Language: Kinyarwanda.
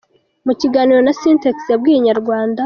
Mu kiganiro na Sintex yabwiye Inyarwanda.